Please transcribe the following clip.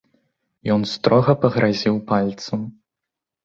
Ён строга пагразіў пальцам.